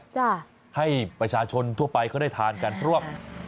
จ้าให้ประชาชนทั่วไปเขาได้ทานกันตรวจ